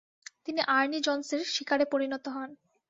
তিনি আর্নি জোন্সের শিকারে পরিণত হন।